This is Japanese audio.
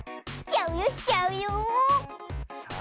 しちゃうよしちゃうよ！